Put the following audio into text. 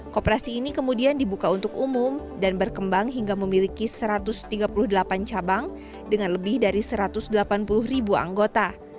koperasi ini kemudian dibuka untuk umum dan berkembang hingga memiliki satu ratus tiga puluh delapan cabang dengan lebih dari satu ratus delapan puluh ribu anggota